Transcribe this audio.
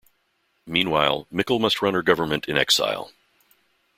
Meanwhile, Mickle must run her government in exile.